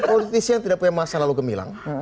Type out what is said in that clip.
politisi yang tidak punya masa lalu gemilang